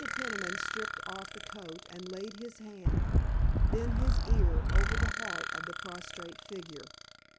Peniman stripped off the coat and laid his hand, then his ear, over the heart of the prostrate figure.